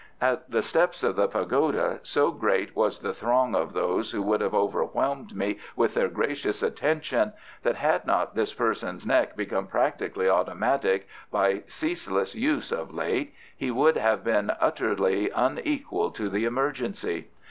At the steps of the pagoda so great was the throng of those who would have overwhelmed me with their gracious attention, that had not this person's neck become practically automatic by ceaseless use of late, he would have been utterly unequal to the emergency.